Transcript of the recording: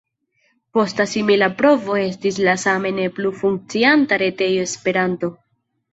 Posta simila provo estis la same ne plu funkcianta retejo Esperanto.